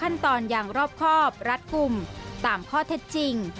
ขั้นตอนอย่างรอบครอบรัดกลุ่มตามข้อเท็จจริง